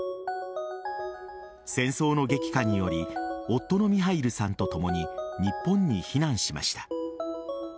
戦争の激化により夫のミハイルさんとともに日本に避難しました。